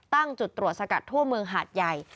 ตั้งจุดตรวจสกัดทั่วเมืองหาดใหญ่